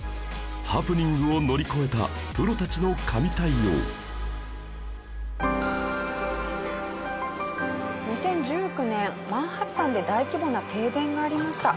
ハプニングを乗り越えた２０１９年マンハッタンで大規模な停電がありました。